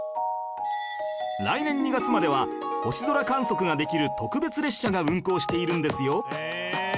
来年２月までは星空観測ができる特別列車が運行しているんですよ